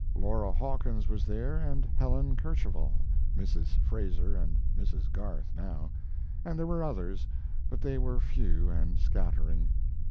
Laura Hawkins was there and Helen Kercheval (Mrs. Frazer and Mrs. Garth now), and there were others, but they were few and scattering.